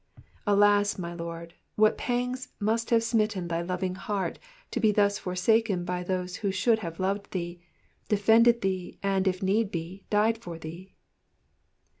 Alas, my Lord, what pangs must have smitten thy loving heart to be thus forsaken by those who should have loved thee, defended thee, and, if need be, died for thee.